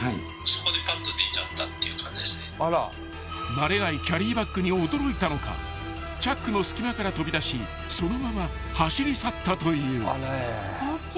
［慣れないキャリーバッグに驚いたのかチャックの隙間から飛び出しそのまま走り去ったという］